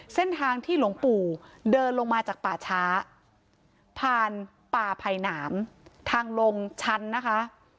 เส้นทางที่หลวงปู่เดินลงมาจากป่าช้าผ่านป่าไผ่หนามทางลงชั้นนะคะ